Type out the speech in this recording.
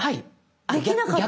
できなかったの。